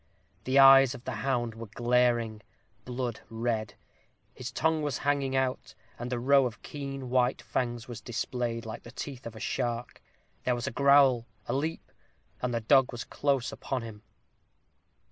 The eyes of the hound were glaring, blood red; his tongue was hanging out, and a row of keen white fangs was displayed, like the teeth of a shark. There was a growl a leap and the dog was close upon him.